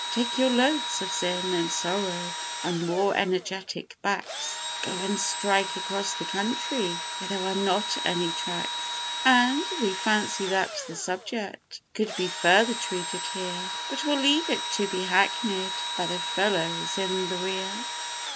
Take your loads of sin and sorrow on more energetic backs! Go and strike across the country where there are not any tracks! And we fancy that the subject could be further treated here, But we'll leave it to be hackneyed by the fellows in the rear.